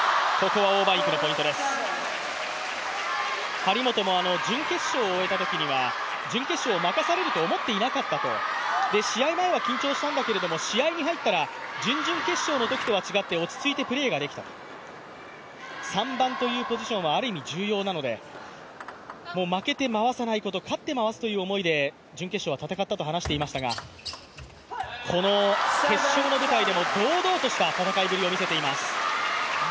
張本も準決勝を終えたときには、任されるとは思っていなかったと、試合前は緊張したんだけれども試合に入ったら準々決勝のときとは違って落ち着いてプレーができたと、３番というポジションはある意味重要なので負けて回さないこと、勝って回すという思いで準決勝は戦ったと話していましたが、この決勝の舞台でも堂々とした戦いぶりを見せています。